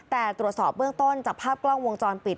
แต่ตรวจสอบเบื้องต้นจากภาพกล้องวงจรปิด